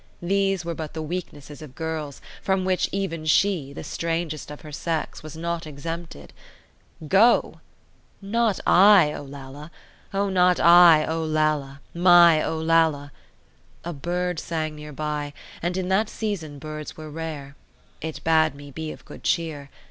These were but the weaknesses of girls, from which even she, the strangest of her sex, was not exempted. Go? Not I, Olalla—O, not I, Olalla, my Olalla! A bird sang near by; and in that season, birds were rare. It bade me be of good cheer.